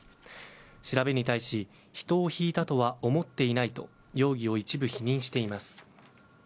調べに対し人をひいたとは思っていないと容疑を一部否認しています。